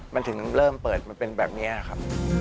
มันถึงเริ่มเปิดมาเป็นแบบนี้ครับ